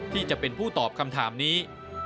ที่จะเป็นผู้ตอบคำถามนี้